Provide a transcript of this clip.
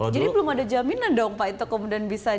jadi belum ada jaminan dong pak ito kemudian bisa di